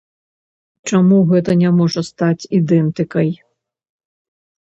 Чаму гэта не можа стаць ідэнтыкай.